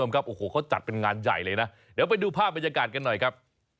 โอ้โหเขาจัดเป็นงานใหญ่เลยนะเดี๋ยวไปดูภาพบรรยากาศกันหน่อยครับ